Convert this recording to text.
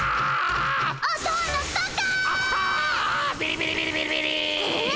ビリビリビリビリ。